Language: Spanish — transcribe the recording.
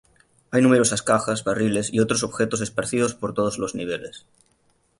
Hay numerosas cajas, barriles, y otros objetos esparcidos por todos los niveles.